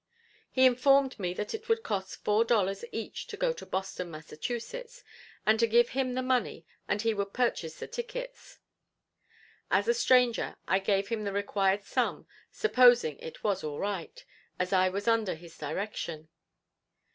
He informed me that it would cost four dollars each to go to Boston, Mass., and to give him the money and he would purchase the tickets. As a stranger I gave him the required sum supposing it was all right, as I was under his direction.